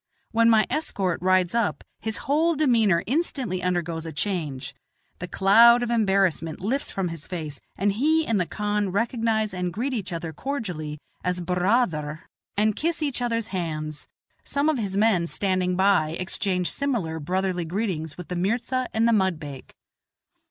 When my escort rides up his whole demeanor instantly undergoes a change; the cloud of embarrassment lifts from his face, he and the khan recognize and greet each other cordially as "bur raa ther," and kiss each other's hands; some of his men standing by exchange similar brotherly greetings with the mirza and the mudbake.